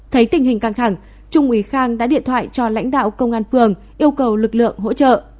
thấy tình hình căng thẳng trung úy khang đã điện thoại cho lãnh đạo công an phường yêu cầu lực lượng hỗ trợ